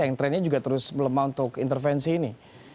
yang trennya juga terus melemah untuk intervensi ini